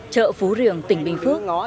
chợ phú riềng tỉnh bình phước